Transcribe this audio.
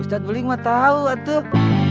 ustadz peling mah tau atuh